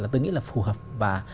tôi nghĩ là phù hợp và